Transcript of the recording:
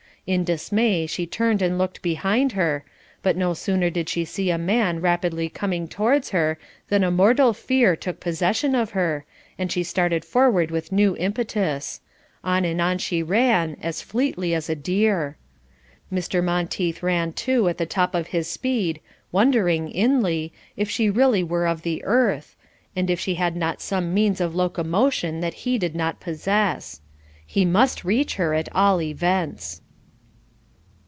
In dismay she turned and looked behind her, but no sooner did she see a man rapidly coming towards her than a mortal fear took possession of her, and she started forward with new impetus; on and on she ran as fleetly as a deer. Mr. Monteith ran too at the top of his speed, wondering, inly, if she really were of the earth, and if she had not some means of locomotion that he did not possess. He must reach her at all events.